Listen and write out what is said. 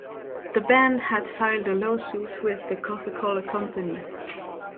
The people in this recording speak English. The band had filed a lawsuit with the Coca-Cola company.